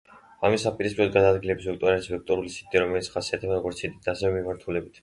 ამის საპირისპიროდ გადაადგილების ვექტორი არის ვექტორული სიდიდე, რომელიც ხასიათდება როგორც სიდიდით, ასევე მიმართულებით.